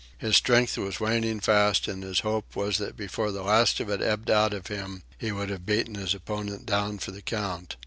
His strength was waning fast, and his hope was that before the last of it ebbed out of him he would have beaten his opponent down for the count.